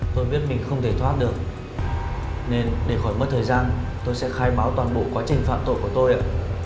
tôi biết mình không thể thoát được nên để khỏi mất thời gian tôi sẽ khai báo toàn bộ quá trình phạm tội của tôi ạ